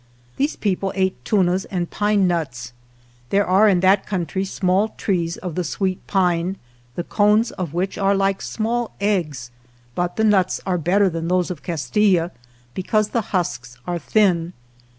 These people ate tunas and pine nuts ; there are in that coun try small trees of the sweet pine, 44 the cones of which are like small eggs, but the nuts are better than those of Castilla, because the husks are thin.